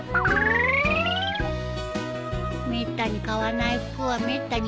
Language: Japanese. めったに買わない服はめったに着ない服だよ。